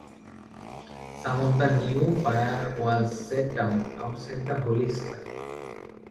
Some of the new fire was set down outside the holy square.